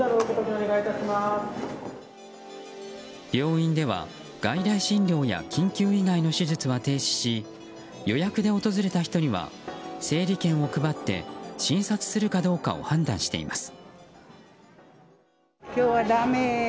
病院では外来診療や緊急以外の手術は停止し予約で訪れた人には整理券を配って診察するかどうかを判断しています。